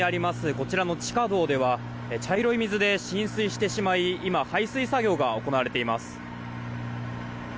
こちらの地下道では茶色い水で浸水してしまい今、排水作業が行われています。